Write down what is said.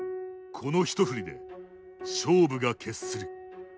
この一振りで勝負が決する。